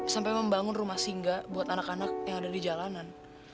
sampai membangun rumah singga buat anak anak yang ada di jalanan